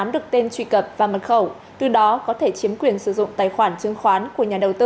từ đây các đối tượng có thể chiếm quyền sử dụng tài khoản giao dịch trương khoán của nhà đầu tư